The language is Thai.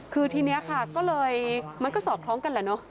คือทีนี้ค่ะก็เลยมันก็สอดคล้องกันแหละเนอะ